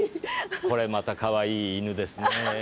これまたかわいい犬ですねぇ。